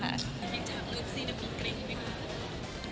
พี่จับรูปซีนวิกกลิ้นได้ไหมคะ